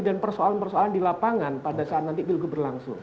dan persoalan persoalan di lapangan pada saat nanti pilgub berlangsung